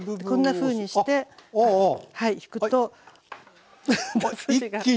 こんなふうにして引くと筋が。